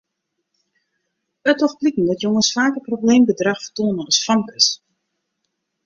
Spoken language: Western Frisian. It docht bliken dat jonges faker probleemgedrach fertoane as famkes.